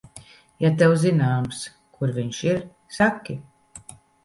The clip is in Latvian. Ja tev zināms, kur viņš ir, saki.